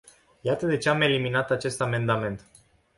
Iată de ce am eliminat acest amendament.